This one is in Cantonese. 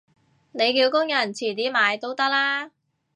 你叫工人遲啲買都得啦